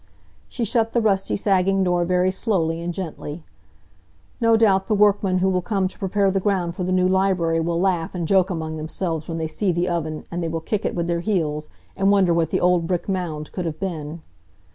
She shut the rusty, sagging door very slowly and gently. "No doubt the workmen who will come to prepare the ground for the new library will laugh and joke among themselves when they see the oven, and they will kick it with their heels, and wonder what the old brick mound could have been."